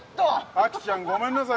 明ちゃんごめんなさい